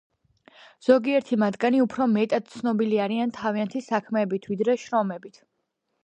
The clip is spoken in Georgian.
ზოგიერთი მათგანი უფრო მეტად ცნობილი არიან თავიანთი საქმეებით, ვიდრე შრომებით.